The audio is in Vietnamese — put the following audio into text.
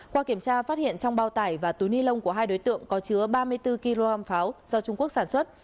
qua kiểm tra phát hiện trong bao tải và túi ni lông của hai đối tượng có chứa ba mươi bốn kg pháo do trung quốc sản xuất